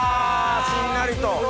しんなりと。